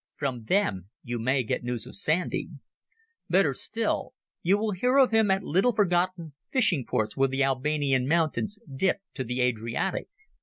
From them you may get news of Sandy. Better still, you will hear of him at little forgotten fishing ports where the Albanian mountains dip to the Adriatic.